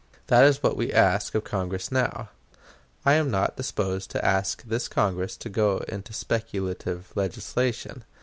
That is what we ask of Congress now. I am not disposed to ask this Congress to go into speculative legislation.